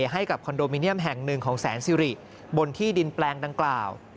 ให้กับคอนโดมิเนียมแห่งหนึ่งของแสนสิริบนที่ดินแปลงดังกล่าว